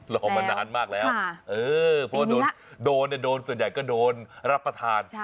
รอมานานมากแล้วเพราะโดนโดนส่วนใหญ่ก็โดนรับประทาน